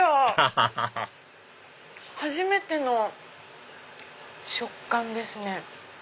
ハハハハ初めての食感ですね。